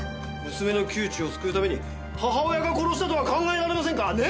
娘の窮地を救うために母親が殺したとは考えられませんか？ね。